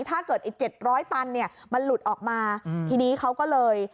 ถ้าเกิดไอ้เจ็ดร้อยตันเนี่ยมันหลุดออกมาทีนี้เขาก็เลย